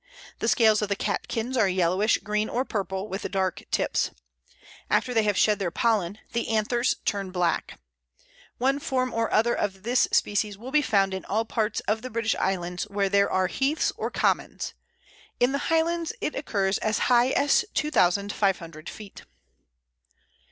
The scales of the catkins are yellowish green or purple, with dark tips. After they have shed their pollen the anthers turn black. One form or other of this species will be found in all parts of the British Islands where there are heaths or commons; in the Highlands it occurs as high as 2500 feet.